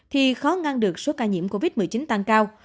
thì khó ngăn được số ca nhiễm covid một mươi chín tăng cao